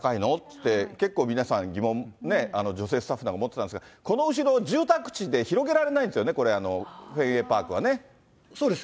って、結構、皆さん、疑問、女性スタッフなんかはもってたんですけれども、この後ろ、住宅地で広げられないんですよね、フェンウェイパークそうです。